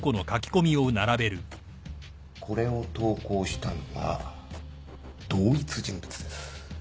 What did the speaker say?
これを投稿したのは同一人物です。